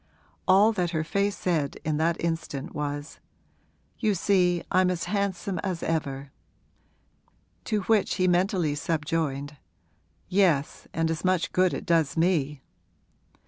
All that her face said in that instant was, 'You see I'm as handsome as ever.' To which he mentally subjoined, 'Yes, and as much good it does me!'